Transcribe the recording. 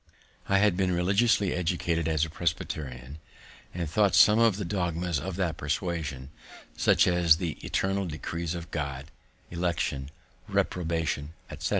I had been religiously educated as a Presbyterian; and though some of the dogmas of that persuasion, such as the eternal decrees of God, election, reprobation, _etc.